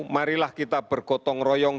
marilah kita berkotak